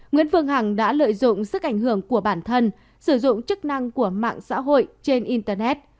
nguyễn phương hằng đã lợi dụng sức ảnh hưởng của bản thân sử dụng chức năng của mạng xã hội trên internet